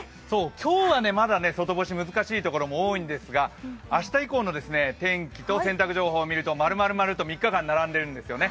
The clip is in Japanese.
今日はまだ外干し難しい所も多いんですが明日以降の天気と洗濯情報見ると○○○と３日間並んでいるんですよね。